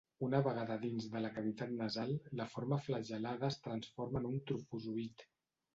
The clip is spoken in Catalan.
Una vegada dins de la cavitat nasal, la forma flagel·lada es transforma en un trofozoït.